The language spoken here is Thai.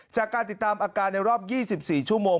จากการติดตามอาการในรอบ๒๔ชั่วโมง